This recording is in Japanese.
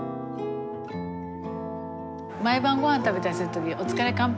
毎晩ごはん食べたりする時お疲れ乾杯。